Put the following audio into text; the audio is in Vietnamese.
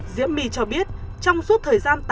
diệm my cho biết trong suốt thời gian